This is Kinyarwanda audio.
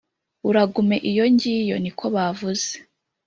uragume iyongiyo niko bavuze.